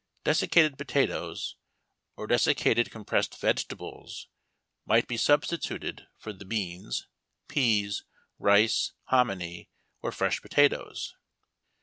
De siccated potatoes or desiccated compressed vegetables might be substituted for the beans, pease, rice, hominy, or fresh potatoes.